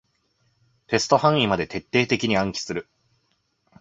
テスト範囲まで徹底的に暗記する